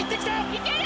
いける！